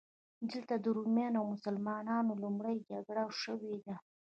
دلته د رومیانو او مسلمانانو لومړۍ جګړه شوې ده.